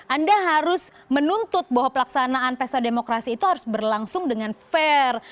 anda harus menuntut bahwa pelaksanaan pesta demokrasi itu harus berlangsung dengan fair